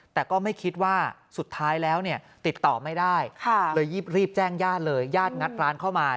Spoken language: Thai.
แต่ก็ไม่คิดว่าสุดท้ายแล้วเนี่ยติดต่อไม่ได้เลยรีบแจ้งญาติเลยญาติงัดร้านเข้ามา